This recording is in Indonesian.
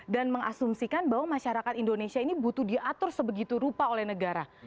dan mengasumsikan bahwa masyarakat indonesia ini butuh diatur sebegitu rupa oleh negara